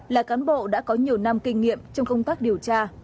là cán bộ đã có nhiều năm kinh nghiệm trong công tác điều tra